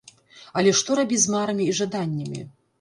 Але што рабіць з марамі і жаданнямі?